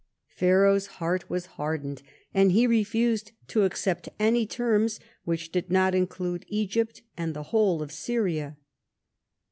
73 Leart was hardened, and he refused to aooept any terms \ irhich did not include Egypt and the whole of Syria.